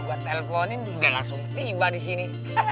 gua telponin udah langsung tiba disini